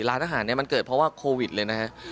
ร้านอาหารมันเกิดเพราะว่าโควิดเลยนะครับ